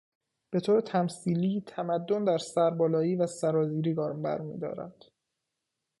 به طور تمثیلی، تمدن در سر بالایی و سرازیری گام بر میدارد.